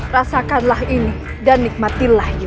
rasakanlah ini dan nikmatilah ini dia